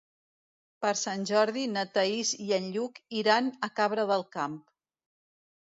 Per Sant Jordi na Thaís i en Lluc iran a Cabra del Camp.